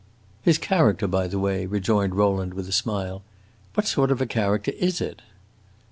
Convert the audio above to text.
"His character, by the way," rejoined Rowland, with a smile; "what sort of a character is it?"